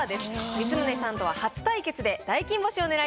光宗さんとは初対決で大金星を狙います。